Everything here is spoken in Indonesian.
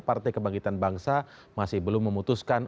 partai kebangkitan bangsa masih belum memutuskan